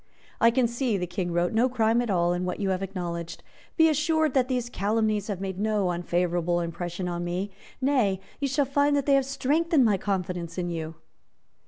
"I can see," the King wrote, "no crime at all in what you have acknowledged. Be assured that these calumnies have made no unfavourable impression on me. Nay, you shall find that they have strengthened my confidence in you."